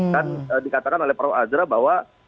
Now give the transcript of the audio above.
kan dikatakan oleh prof azra bahwa